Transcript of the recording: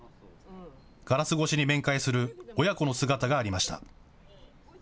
ガラス越しに面会する親子の姿がありました。